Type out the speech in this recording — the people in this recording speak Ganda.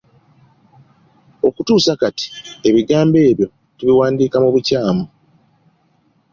Okutuusa kati ebigambo ebyo tubiwandiika mu bukyamu.